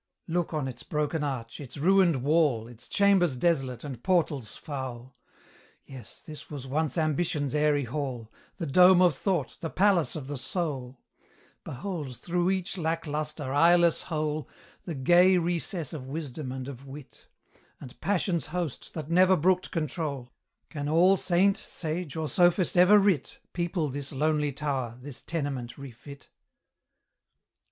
Look on its broken arch, its ruined wall, Its chambers desolate, and portals foul: Yes, this was once Ambition's airy hall, The dome of Thought, the Palace of the Soul. Behold through each lack lustre, eyeless hole, The gay recess of Wisdom and of Wit, And Passion's host, that never brooked control: Can all saint, sage, or sophist ever writ, People this lonely tower, this tenement refit?